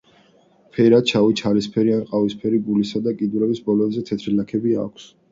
ფერად შავი, ჩალისფერი ან ყავისფერია, გულსა და კიდურების ბოლოებზე თეთრი ლაქები აქვს.